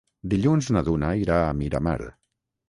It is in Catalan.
Dilluns na Duna irà a Miramar.